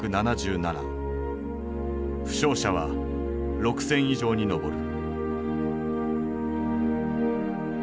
負傷者は６，０００以上に上る。